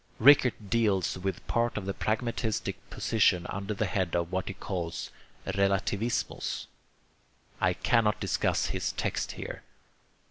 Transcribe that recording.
Rickert deals with part of the pragmatistic position under the head of what he calls 'Relativismus.' I cannot discuss his text here.